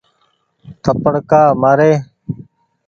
ٿپڙ ڪآ مآ ري ۔